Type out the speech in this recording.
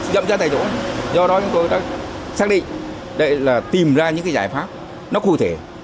động trách tại chỗ do đó chúng tôi đã xác định đây là tìm ra những giải pháp nó cụ thể